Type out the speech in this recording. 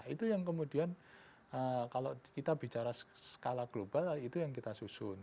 itu yang kemudian kalau kita bicara skala global itu yang kita susun